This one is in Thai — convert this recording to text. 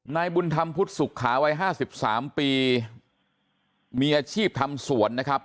นายบุญธรรมพุทธสุขาวัย๕๓ปีมีอาชีพทำสวนนะครับ